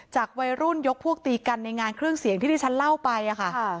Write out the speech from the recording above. วัยรุ่นยกพวกตีกันในงานเครื่องเสียงที่ที่ฉันเล่าไปค่ะ